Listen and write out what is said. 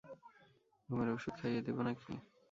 ঘুমের ঔষধ খাইয়ে দিব না কি?